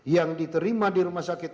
yang diterima di rumah sakit